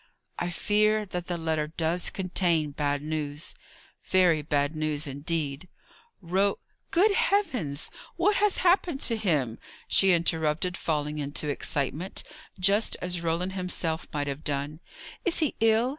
"I fear that the letter does contain bad news; very bad news, indeed. Ro " "Good heavens! what has happened to him?" she interrupted, falling into excitement, just as Roland himself might have done. "Is he ill?